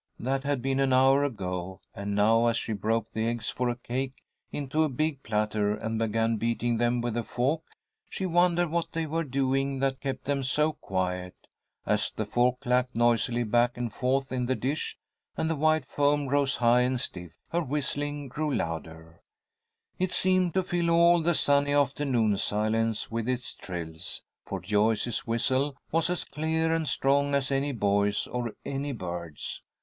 That had been an hour ago, and now, as she broke the eggs for a cake into a big platter, and began beating them with a fork, she wondered what they were doing that kept them so quiet. As the fork clacked noisily back and forth in the dish and the white foam rose high and stiff, her whistling grew louder. It seemed to fill all the sunny afternoon silence with its trills, for Joyce's whistle was as clear and strong as any boy's or any bird's.